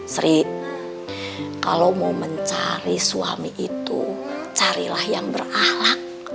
sri kalau mau mencari suami itu carilah yang berahlak